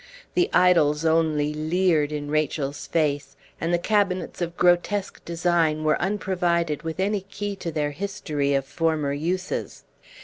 The idols only leered in Rachel's face, and the cabinets of grotesque design were unprovided with any key to their history of former uses.